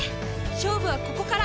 勝負はここから！